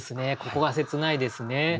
ここが切ないですね。